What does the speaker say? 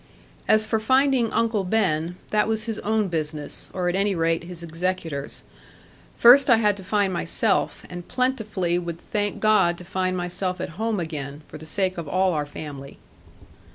As for finding Uncle Ben that was his own business, or at any rate his executor's; first I had to find myself, and plentifully would thank God to find myself at home again, for the sake of all our family.